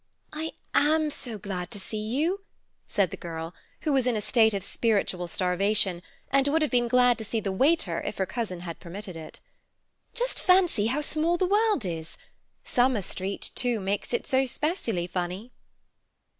"I am so glad to see you," said the girl, who was in a state of spiritual starvation, and would have been glad to see the waiter if her cousin had permitted it. "Just fancy how small the world is. Summer Street, too, makes it so specially funny."